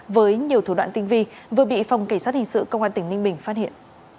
với nhiều thủ đoạn tinh vi vừa bị phòng cảnh sát hình sự công an tỉnh ninh bình phát hiện